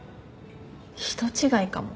人違いかも。